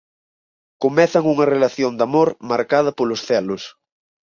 Comezan unha relación de amor marcada polos celos.